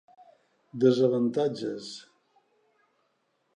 Desavantatges: